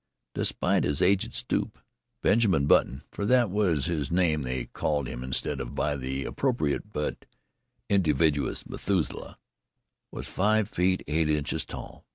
Despite his aged stoop, Benjamin Button for it was by this name they called him instead of by the appropriate but invidious Methuselah was five feet eight inches tall.